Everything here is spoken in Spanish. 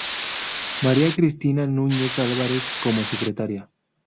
María Cristina Nuñez Álvarez como Secretaria.